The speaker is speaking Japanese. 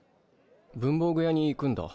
文房具屋に行くんだ。